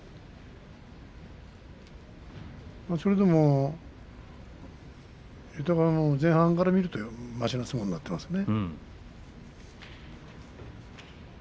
それでも豊山も前半から見ると、ましな相撲になっていますね。